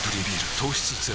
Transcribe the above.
糖質ゼロ